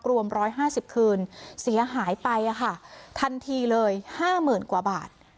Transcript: รวมร้อยห้าสิบคืนเสียหายไปอะค่ะทันทีเลยห้าหมื่นกว่าบาท